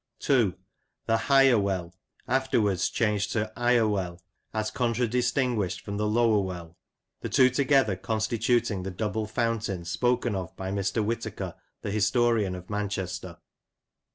2. The Higher Well, afterwards changed to /r^well, as contradistinguished from the lower well : the two together constituting the "double fountain" spoken of by Mr. Whitaker, the historian of Manchester.